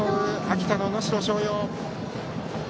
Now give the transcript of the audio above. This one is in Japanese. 秋田の能代松陽。